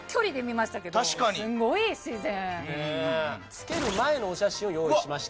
着ける前のお写真を用意しました。